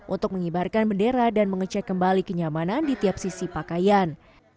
untuk mengibarkan bendera dan mengecek kembali kenyamanan di tiap sisi pakaian